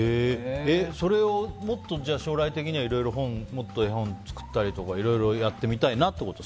それをもっと将来的にはいろいろもっと絵本作ったりとかいろいろやってみたいなってこと？